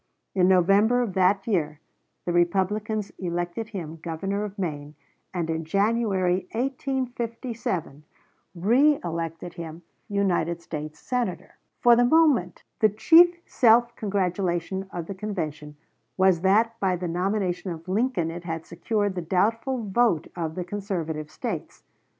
In November of that year the Republicans elected him Governor of Maine, and in January, 1857, reelected him United States Senator. Halstead, "Conventions of 1860," p. 154. For the moment the chief self congratulation of the convention was that by the nomination of Lincoln it had secured the doubtful vote of the conservative States.